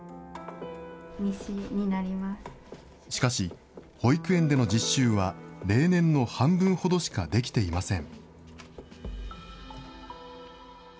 しかし、保育園での実習は例年の半分ほどしかできていません。